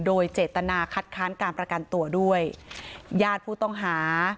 โดยเจตนาคัดค้านการประกันตัวด้วยญาติผู้ต้องหา